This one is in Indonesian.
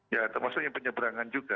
ya termasuk yang penyeberangan juga